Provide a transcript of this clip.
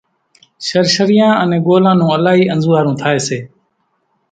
شرشريان انين ڳولان نون الائِي انزوئارون ٿائي سي۔